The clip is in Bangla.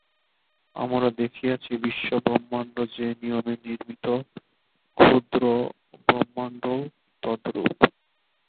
আমরা দেখিয়াছি, বৃহৎ ব্রহ্মাণ্ড যে নিয়মে নির্মিত, ক্ষুদ্র ব্রহ্মাণ্ডও তদ্রূপ।